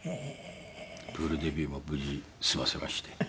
プールデビューも無事済ませまして。